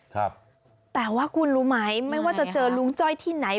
ครับแต่ว่าคุณรู้ไหมไม่ว่าจะเจอลุงจ้อยที่ไหน